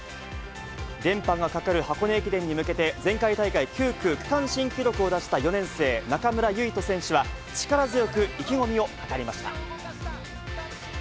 連覇がかかる箱根駅伝に向けて、前回大会９区区間新記録を出した４年生、中村唯翔選手は、力強く意気込みを語りました。